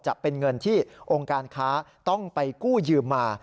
จะเป็นเงินที่องค์การค้าต้องไปกู้ยืมมา